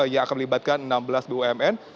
yang akan melibatkan enam belas bumn